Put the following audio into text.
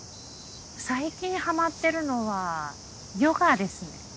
最近はまってるのはヨガですね。